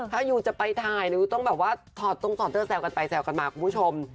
ถ้ายูจะไปไทรัศน์ต้องแบบว่าถอดตรงสอดเจ้าแซวกันไปแซวกันมาคุณผู้ชม